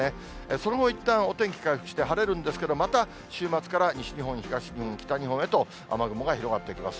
その後いったん、お天気回復して晴れるんですけど、また週末から西日本、東日本、北日本へと雨雲が広がってきます。